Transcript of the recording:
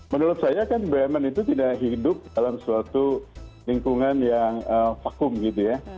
menurut saya kan bumn itu tidak hidup dalam suatu lingkungan yang vakum gitu ya